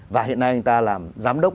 và hiện nay anh ta làm giám đốc